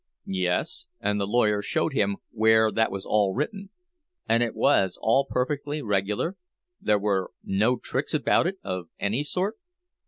Yes,—and the lawyer showed him where that was all written. And it was all perfectly regular—there were no tricks about it of any sort?